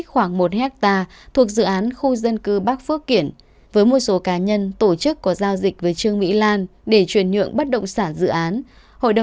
cảm ơn các bạn đã quan tâm theo dõi